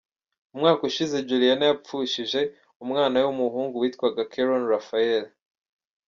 Umwaka ushize Juliana yapfushije umwana we w’umuhungu witwaga Keron Raphael.